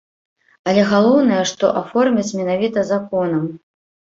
Але галоўнае, што аформяць менавіта законам.